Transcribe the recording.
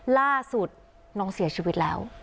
ล่าสุดน้องเสียชีวิตแล้ว